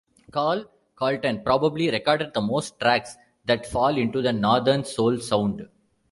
Carl Carlton probably recorded the most tracks that fall into the Northern Soul sound.